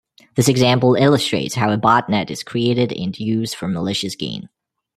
This example illustrates how a botnet is created and used for malicious gain.